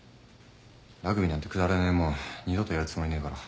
ラグビーなんてくだらねえもん二度とやるつもりねえから。